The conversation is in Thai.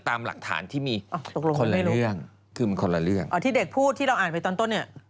ตามหลักฐานที่มีคนละเรื่องคือมันคนละเรื่องอ๋อที่เด็กพูดที่เราอ่านไปตอนต้นเนี่ย